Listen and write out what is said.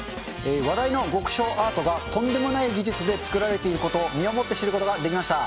話題の極小アートが、とんでもない技術で作られていることを身をもって知ることができました。